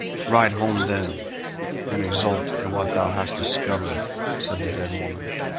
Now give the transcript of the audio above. "Ride home, then, and exult in what thou hast discovered," said the dead woman.